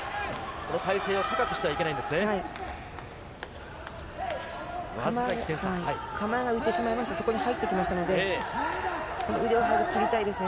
この体勢を高くしてはいけないんですね。